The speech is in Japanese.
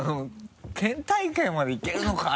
「県大会までいけるのか？」